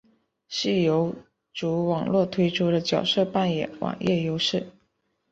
是游族网络推出的角色扮演网页游戏。